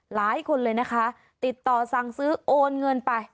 หลายคนเลยนะคะติดต่อสั่งซื้อโอนเงินไป